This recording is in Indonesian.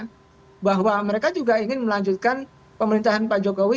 oleh pak anies dan tim suksesnya bahwa mereka juga ingin melanjutkan pemerintahan pak jokowi